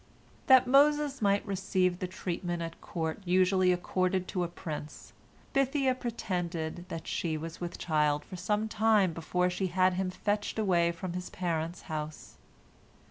That Moses might receive the treatment at court usually accorded to a prince, Bithiah pretended that she was with child for some time before she had him fetched away from his parents' house."